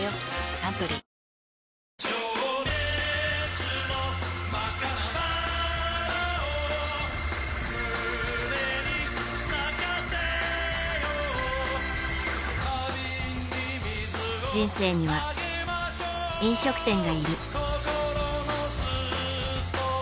サントリー人生には、飲食店がいる。